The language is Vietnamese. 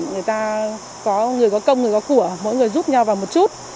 người ta có người có công người có của mỗi người giúp nhau vào một chút